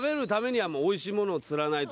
はい。